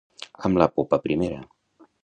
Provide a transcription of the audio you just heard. Amb la popa primera.